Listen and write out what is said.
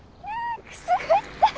くすぐったい！